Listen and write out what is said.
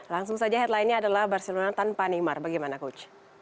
langsung saja headlinenya adalah barcelona tanpa neymar bagaimana coach